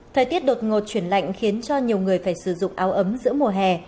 thời tiết đột ngột chuyển lạnh khiến cho nhiều người phải sử dụng áo ấm giữa mùa hè